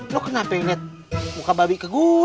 lo kenapa ngeliat muka babi ke gue